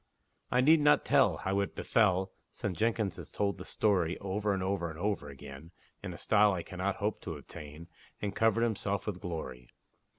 I need not tell How it befell, (Since Jenkins has told the story Over and over and over again, In a style I cannot hope to attain, And covered himself with glory!)